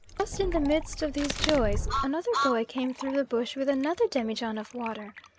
Just in the midst of these joys another boy came through the bush with another demijohn of water.